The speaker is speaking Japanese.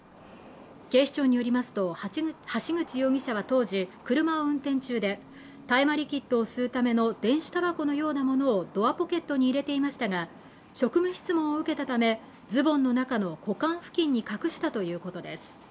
警視庁によりますと８日橋口容疑者は当時車を運転中で大麻リキッドを吸うための電子たばこのようなものをドアポケットに入れていましたが職務質問を受けたためズボンの中の股間付近に隠したということです